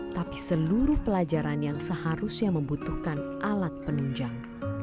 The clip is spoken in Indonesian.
tapi seluruh pelajaran yang seharusnya membutuhkan alat penunjang